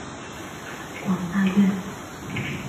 广大院。